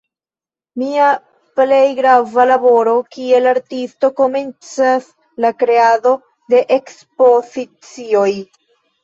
Mia plej grava laboro kiel artisto komencas: la kreado de ekspozicioj.